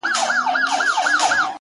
• ککرۍ يې دي رېبلي دې بدرنگو ککریو؛